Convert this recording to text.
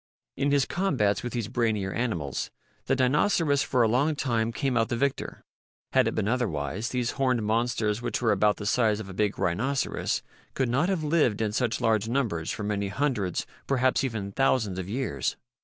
In his combats with these brainier animals the Dinoceras for a long time came out the victor. Had it been otherwise, these horned monsters which were about the size of a big rhinoceros could not have lived in such large numbers for many hundreds, perhaps even thousands, of years.